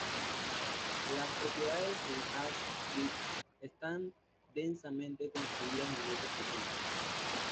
Las propiedades en Ash Street están densamente construidas en lotes pequeños.